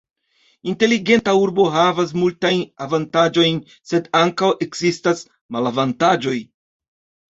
Inteligenta urbo havas multajn avantaĝojn, sed ankaŭ ekzistas malavantaĝoj.